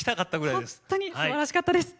本当にすばらしかったです。